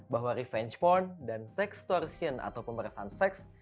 bahwa revenge porn dan sextortion atau pemerasan seks